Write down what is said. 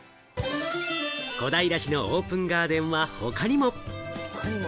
小平市のオープンガーデンは他にも。